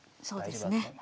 そうですね。